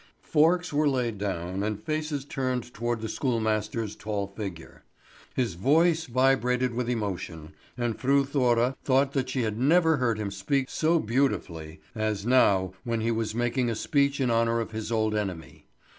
Forks were laid down and faces turned towards the schoolmaster's tall figure. His voice vibrated with emotion, and Fru Thora thought she had never heard him speak so beautifully as now when he was making a speech in honour of his old enemy.